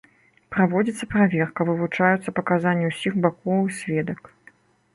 Праводзіцца праверка, вывучаюцца паказанні ўсіх бакоў і сведак.